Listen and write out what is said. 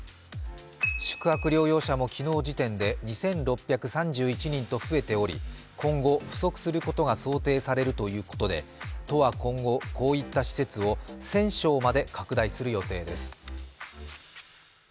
宿泊療養者も昨日時点で２６３１人と増えており今後、不足することが想定されるということで都は今後、こういった施設を１０００床まで拡大する予定です。